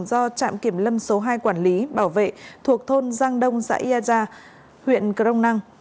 do trạm kiểm lâm số hai quản lý bảo vệ thuộc thôn giang đông xã yà gia huyện crong năng